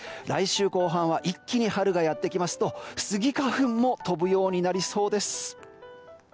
来週後半は一気に春がやってきますとスギ花粉が飛ぶようになりそうです。